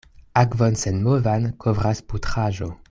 Akvon senmovan kovras putraĵo.